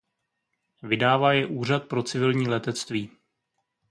Vydává je Úřad pro civilní letectví.